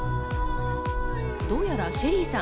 どうやらＳＨＥＬＬＹさん